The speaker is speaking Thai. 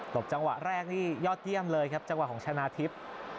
ตกจังหวะแรกที่ยอดเยี่ยมเลยครับ